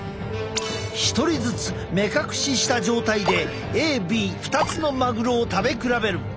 １人ずつ目隠しした状態でＡＢ２つのマグロを食べ比べる。